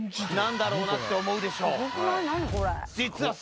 何だろうなって思うでしょう